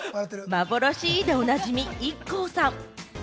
「まぼろし」でおなじみ、ＩＫＫＯさん。